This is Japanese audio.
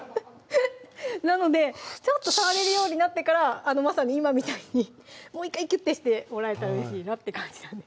なのでちょっと触れるようになってからまさに今みたいにもう１回ギュッてしてもらえたらうれしいなって感じなんです